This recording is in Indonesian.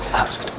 saya harus ketemu